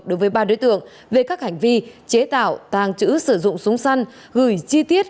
đối với ba đối tượng về các hành vi chế tạo tàng trữ sử dụng súng săn gửi chi tiết